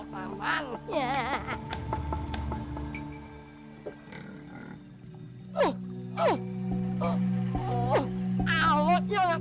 bagus kau tangan